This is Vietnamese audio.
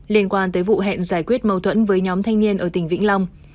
liên quan tới vụ hẹn giải quyết mâu thuẫn với nhóm thanh niên ở tỉnh vĩnh long